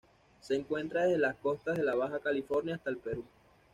Se encuentra desde las costas de la Baja California hasta el Perú.